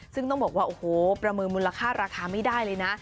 ซึ่งต้องบอกว่าโอ้โหประเมินมูลค่าราคาไม่ได้เลยนะ